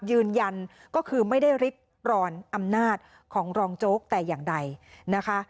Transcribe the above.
ยืนยันก็คือไม่ได้ริดรอนอำนาจของรองโจ๊กแต่อย่างใดนะคะ